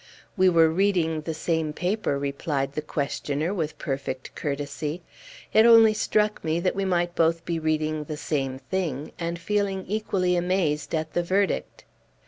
"We were reading the same paper," replied the questioner, with perfect courtesy; "it only struck me that we might both be reading the same thing, and feeling equally amazed at the verdict."